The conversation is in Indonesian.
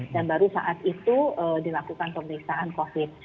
dan baru saat itu dilakukan pemeriksaan covid